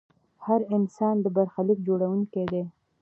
هر انسان د برخلیک جوړونکی دی.